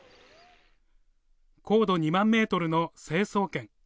高度２万メートルの成層圏。